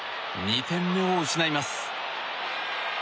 ２点目を失います。